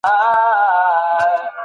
ميوې هره ورځ وخوره